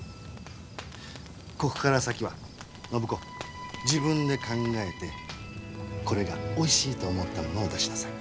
ここから先は暢子自分で考えてこれがおいしいと思ったものを出しなさい。